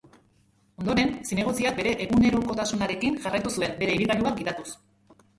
Ondoren, zinegotziak bere egunerokotasunarekin jarraitu zuen, bere ibilgailua gidatuz.